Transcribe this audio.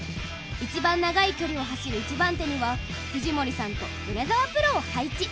いちばん長い距離を走る１番手には藤森さんと米澤プロを配置。